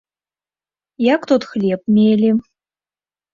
Як тут хлеб мелі?